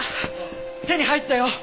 手に入ったよ！